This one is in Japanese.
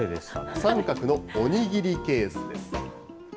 三角のお握りケースです。